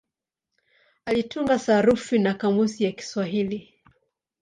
Alitunga sarufi na kamusi ya Kiswahili.